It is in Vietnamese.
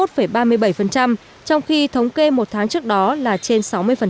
trong khi thống kê một tháng trước đó là trên sáu mươi